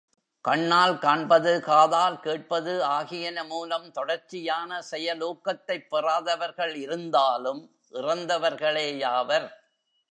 கண்ணால் காண்பது, காதால் கேட்பது ஆகியன மூலம் தொடர்ச்சியான செயலூக்கத்தைப் பெறாதவர்கள் இருந்தாலும் இறந்தவர்களேயாவர்.